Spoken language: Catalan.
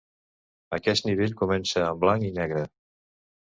Aquest nivell comença en blanc i negre.